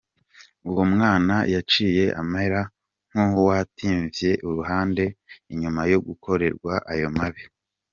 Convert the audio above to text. Uwo mwana yaciye amera nk'uwatimvye uruhande inyuma yo gukoregwa ayo mabi.